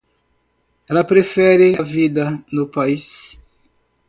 Ela prefere a vida no país.